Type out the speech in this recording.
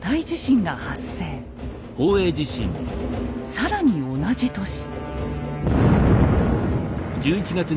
更に同じ年。